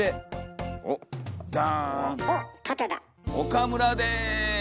岡村です！